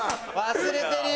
忘れてるよ！